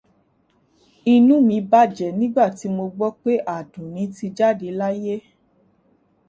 Inú mi bàjẹ́ nígbàtí mo gbó pé Àdùnní ti jáde láyé.